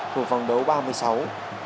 thuộc vòng đấu ba mươi sáu